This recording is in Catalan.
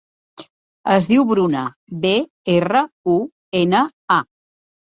Es diu Bruna: be, erra, u, ena, a.